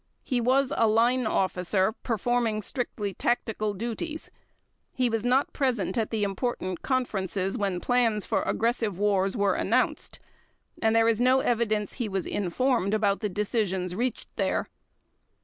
He was a line officer performing strictly tactical duties. He was not present at the important conferences when plans for aggressive wars were announced, and there is no evidence he was informed about the decisions reached there.